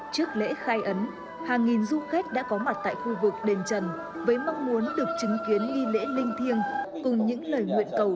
trước lễ khai ấn hàng nghìn du khách đã có mặt tại khu vực đền trần với mong muốn được chứng kiến nghi lễ linh thiêng cùng những lời nguyện cầu